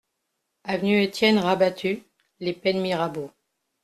Avenue Etienne Rabattu, Les Pennes-Mirabeau